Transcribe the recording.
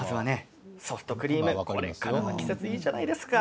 ソフトクリーム、これからの季節いいじゃないですか。